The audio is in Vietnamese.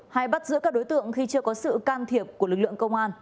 hay bắt giữ các đối tượng khi chưa có sự can thiệp của lực lượng công an